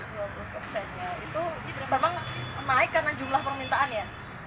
emang naik karena jumlah permintaan ya